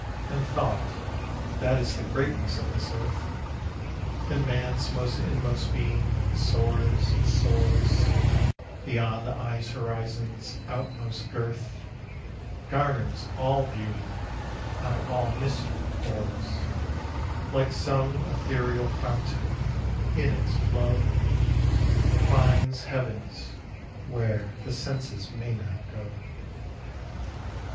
And Thought, that is the greatness of this earth, And man's most inmost being, soars and soars, Beyond the eye's horizon's outmost girth, Garners all beauty, on all mystery pores: Like some ethereal fountain in its flow, Finds heavens where the senses may not go.